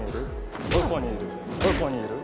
どこにいる？